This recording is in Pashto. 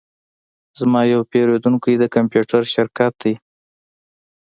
زما یو پیرودونکی د کمپیوټر شرکت دی